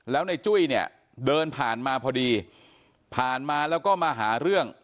แล้วในจุ้ยเนี่ยเดินผ่านมาพอดีผ่านมาแล้วก็มาหาเรื่อง